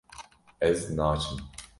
ez naçim